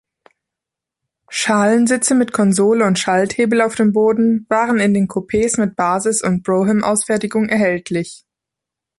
Schalensitze mit Konsole und Schalthebel auf dem Boden waren in den Coupés mit Basis- und Brougham-Ausfertigung erhältlich.